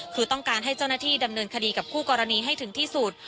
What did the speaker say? คือต้องการให้เจ้าหน้าที่ดำเนินคดีกับคู่กรณีให้ถึงที่สุด